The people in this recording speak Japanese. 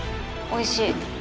おいしい。